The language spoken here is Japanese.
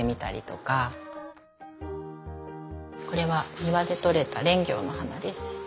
これは庭でとれたレンギョウの花です。